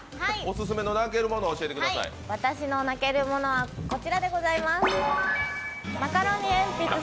私泣けるものはこちらでございます。